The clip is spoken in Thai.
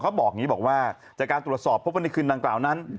บอกอย่างนี้บอกว่าจากการตรวจสอบพบว่าในคืนดังกล่าวนั้น